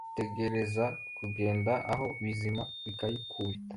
Tegereza kugeza aho bizima bikayikubita